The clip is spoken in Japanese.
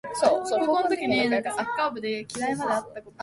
十日町駅